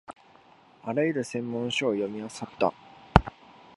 あらゆる専門書を読みあさった